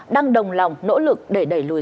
đang đồng lòng nỗ lực để đẩy lùi